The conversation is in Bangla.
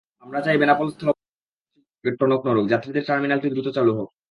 আমরা চাই বেনাপোল স্থলবন্দর কর্তৃপক্ষের টনক নড়ুক, যাত্রীদের টার্মিনালটি দ্রুত চালু হোক।